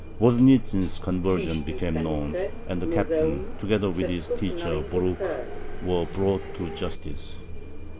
Voznitzin's conversion became known, and the Captain, together with his teacher Borukh, were brought to justice.